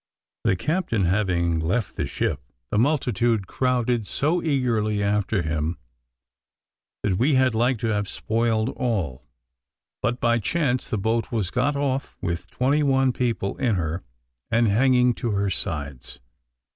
The captain having left the ship, the multitude crowded so eagerly after him that we had like to have spoiled all; but by chance the boat was got off, with twenty one people in her and hanging to her sides.